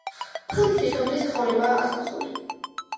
ფილმში სოფლის ცხოვრებაა ასახული.